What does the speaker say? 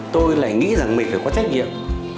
tôi lại nghĩ rằng mình phải có trách nhiệm